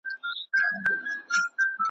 د جنګ خبري خوږې وي خو ساعت یې تریخ وي .